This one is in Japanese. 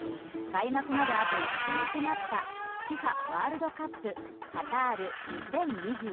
開幕まであと５日に迫ったＦＩＦＡワールドカップカタール２０２２。